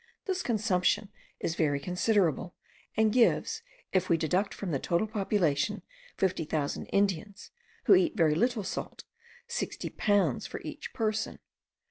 This consumption is very considerable, and gives, if we deduct from the total population fifty thousand Indians, who eat very little salt, sixty pounds for each person.